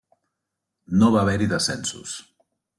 No va haver-hi descensos.